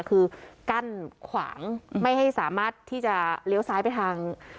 คือกั้นขวางไม่ให้สามารถที่จะเลี้ยวซ้ายไปทาง